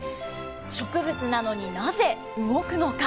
植物なのになぜ動くのか。